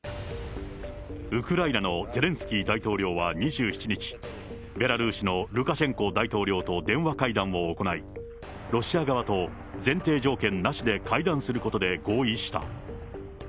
ウクライナのゼレンスキー大統領は２７日、ベラルーシのルカシェンコ大統領と電話会談を行い、ロシア側と前提条件なしで会談することで合意した。